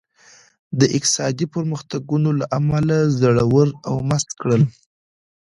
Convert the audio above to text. د اقتصادي پرمختګونو له امله زړور او مست کړل.